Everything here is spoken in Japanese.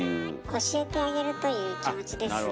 教えてあげるという気持ちですね。